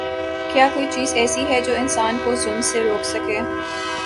کیا کوئی چیز ایسی ہے جو انسان کو ظلم سے روک سکے؟